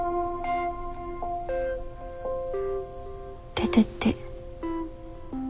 出てって。